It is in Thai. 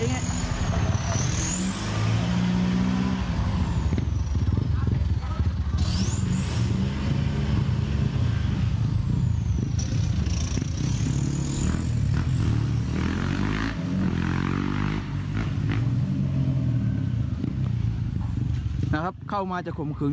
เมื่อเวลามันกลายเป้าหมาย